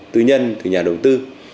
tư nhân từ nhà đầu tư